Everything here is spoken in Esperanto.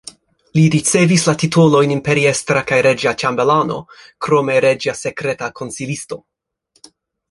Li ricevis la titolojn imperiestra kaj reĝa ĉambelano, krome reĝa sekreta konsilisto.